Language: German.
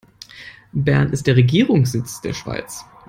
Bern ist der Regierungssitz der Schweiz.